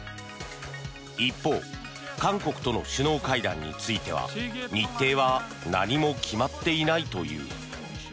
一方韓国との首脳会談については日程は何も決まっていないという。